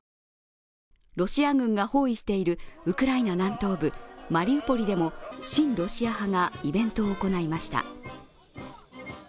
ロシア軍が包囲しているウクライナ南東部マリウポリでも親ロシア派がイベントを行いました。